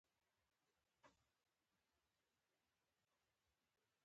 مقر ولسوالۍ سړه ده؟